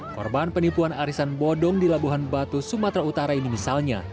korban penipuan arisan bodong di labuhan batu sumatera utara ini misalnya